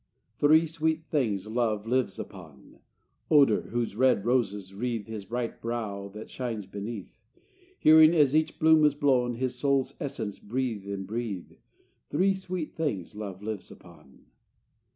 Three sweet things love lives upon: Odor, whose red roses wreathe His bright brow that shines beneath; Hearing, as each bloom is blown, His soul's essence breathe and breathe. Three sweet things love lives upon.